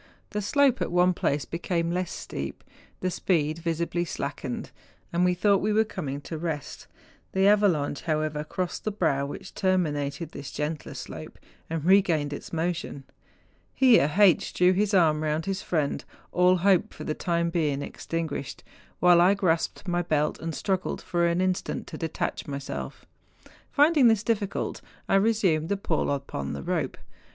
The slope at one place became less steep, the speed visibly slackened, and we thought we were coming to rest; the avalanche, however, crossed the brow which terminated this gentler slope, and regained its motion. Here H. drew his arm round his friend, all hope for the time being extinguished, while I grasped my belt and struggled for an instant to detach myself. Finding this difficult, I resumed the pull upon the rope.